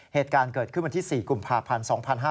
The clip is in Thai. เหตุการณ์เกิดขึ้นวันที่๔กุมภาพันธ์๒๕๕๙